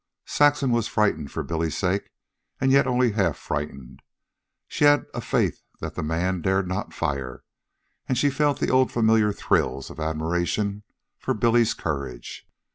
Saxon was frightened for Billy's sake, and yet only half frightened. She had a faith that the man dared not fire, and she felt the old familiar thrills of admiration for Billy's courage.